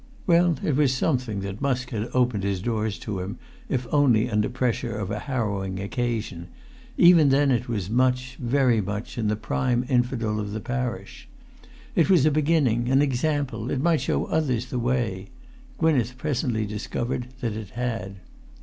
Well, it was something that Musk had opened his doors to him, if only under pressure of a harrowing occasion; even then it was much, very much, in the prime infidel of the parish. It was a beginning, an example; it might show others the way. Gwynneth presently discovered that it had.